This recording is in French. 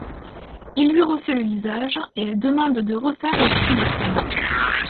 Il lui refait le visage et elle demande de refaire aussi les seins.